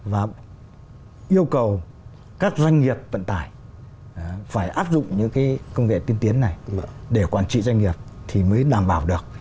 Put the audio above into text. và yêu cầu các doanh nghiệp vận tải phải áp dụng những cái công nghệ tiên tiến này để quản trị doanh nghiệp thì mới đảm bảo được